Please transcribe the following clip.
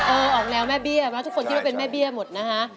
เออออกแล้วแม่เบี้ยทุกคนที่รู้เป็นแม่เบี้ยหมดนะฮะ